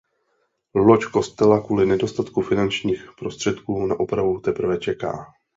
Loď kostela kvůli nedostatku finančních prostředků na opravu teprve čeká.